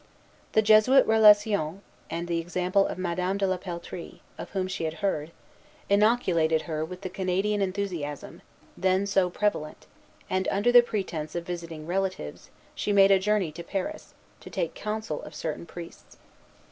The Jesuit Relations, and the example of Madame de la Peltrie, of whom she had heard, inoculated her with the Canadian enthusiasm, then so prevalent; and, under the pretence of visiting relatives, she made a journey to Paris, to take counsel of certain priests.